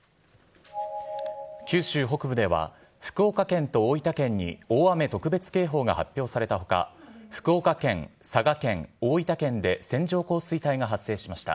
九州北部では、福岡県と大分県に大雨特別警報が発表されたほか、福岡県、佐賀県、大分県で線状降水帯が発生しました。